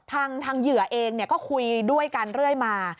ทางเหยื่อเองก็คุยด้วยกันเรื่อยมา